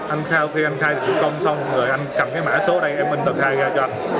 anh khi anh khai dịch vụ công xong rồi anh cầm cái mã số ở đây em in tờ khai ra cho anh